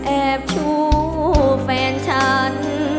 แอบชู้แฟนฉัน